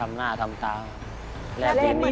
ย่าเขาบอกว่าพาไปหาลงพ่อที่ศรีสะเกษ